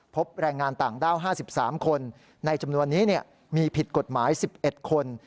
พบแรงงานต่างด้าว๕๓คนในจำนวนนี้มีผิดกฎหมาย๑๑คน